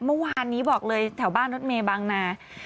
เมื่อวานนี้บอกเลยแถวบ้านรถเมย์บางนา